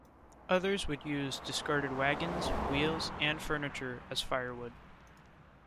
Others would use discarded wagons, wheels and furniture as firewood.